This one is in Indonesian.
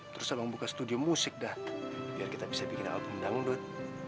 terus abang buka studio musik dah biar kita bisa bikin output dangdut